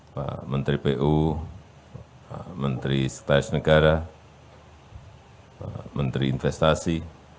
pak menteri pu pak menteri sekretaris negara pak menteri investasi